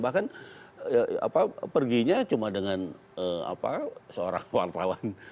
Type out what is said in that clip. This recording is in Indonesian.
bahkan perginya cuma dengan seorang wartawan